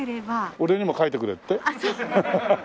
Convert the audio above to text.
俺にも描いてくれって？